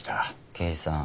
刑事さん。